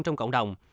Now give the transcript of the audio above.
trong cộng đồng